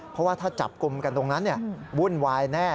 เพราะว่าถ้าจับกลุ่มกันตรงนั้นวุ่นวายแน่